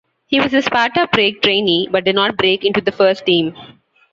He was a Sparta Prague trainee, but did not break into the first team.